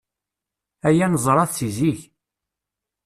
Aya neẓra-t si zik.